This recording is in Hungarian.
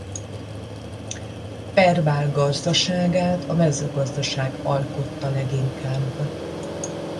Perbál gazdaságát a mezőgazdaság alkotta leginkább.